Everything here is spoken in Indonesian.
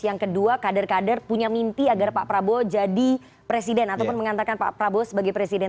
yang kedua kader kader punya mimpi agar pak prabowo jadi presiden ataupun mengantarkan pak prabowo sebagai presiden